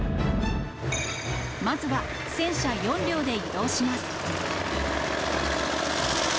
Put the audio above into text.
まずは戦車４両で移動します。